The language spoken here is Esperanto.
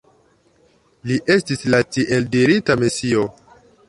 Li estis la tieldirita Mesio.